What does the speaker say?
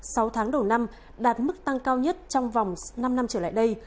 sau tháng đầu năm đạt mức tăng cao nhất trong vòng năm năm trở lại đây